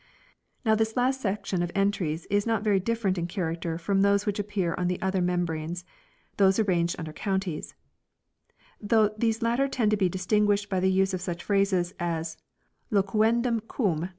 Now this last section of entries is not very different in character from those which appear on the other membranes those arranged under counties ; though these latter tend to be distinguished by the use of such phrases as " loquendum cum